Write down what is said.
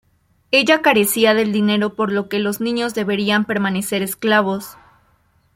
Ella carecía del dinero por lo que los niños deberían permanecer esclavos.